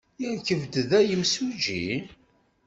Yerkeb-d da yimsujji?